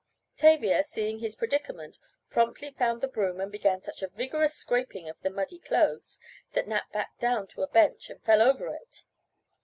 Tavia, seeing his predicament, promptly found the broom and began such a vigorous scraping of the muddy clothes that Nat backed down to a bench and fell over it.